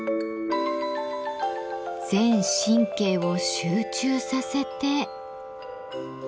全神経を集中させて。